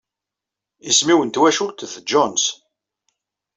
Isem-inu n twacult d Jones.